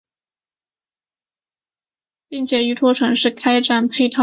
并且依托城市开展配套改革。